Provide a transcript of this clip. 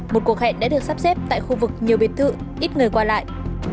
một cuộc hẹn đã được sắp xếp tại khu vực nhiều biệt thự ít người qua lại